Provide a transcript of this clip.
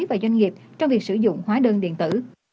và doanh nghiệp trong việc sử dụng hóa đơn điện tử